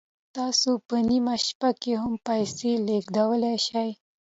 تاسو په نیمه شپه کې هم پیسې لیږدولی شئ.